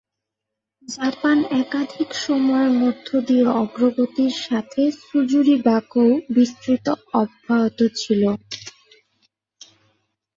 Japan একাধিক সময়ের মধ্যে দিয়ে অগ্রগতির সাথে সুজুরি-বাকোও বিস্তৃত অব্যাহত ছিল।